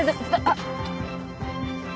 あっ。